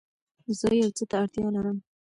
زه يو څه ته اړتيا لرم